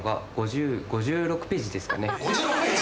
５６ページ！？